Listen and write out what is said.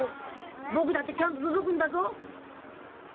僕だってちゃんと届くんだぞ」